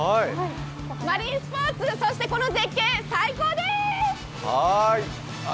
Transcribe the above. マリンスポーツ、そしてこの絶景、最高でーす！